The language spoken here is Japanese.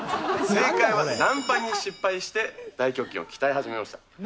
正解はね、ナンパに失敗して、大胸筋を鍛え始めました。